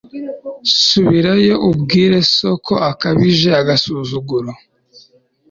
subirayo ubwire so ko akabije agasuzuguro